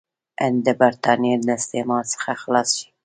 هند د برټانیې له استعمار څخه خلاص شي.